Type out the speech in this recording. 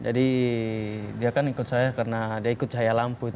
jadi dia kan ikut saya karena dia ikut cahaya lampu itu